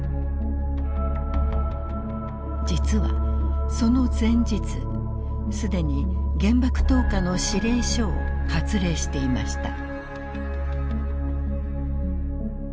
実はその前日既に原爆投下の指令書を発令していました。